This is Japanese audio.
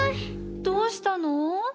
どうしたの？